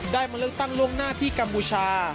ได้มาเลือกตั้งลงหน้าที่กำบูชา